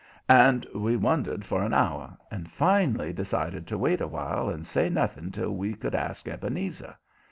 And we wondered for an hour, and finally decided to wait a while and say nothing till we could ask Ebenezer.